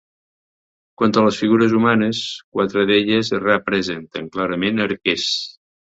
Quant a les figures humanes, quatre d'elles representen clarament arquers.